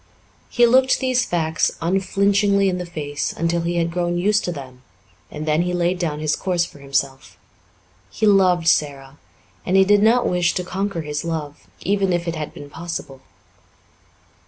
He looked these facts unflinchingly in the face until he had grown used to them, and then he laid down his course for himself. He loved Sara and he did not wish to conquer his love, even if it had been possible.